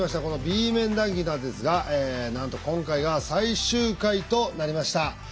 この「Ｂ面談義」なんですがなんと今回が最終回となりました。